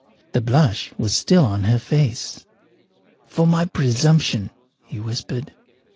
The blush was still on her face. "For my presumption," he whispered.